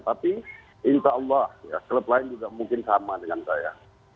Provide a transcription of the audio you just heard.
tapi insya allah klub lain juga mungkin sama dengan saya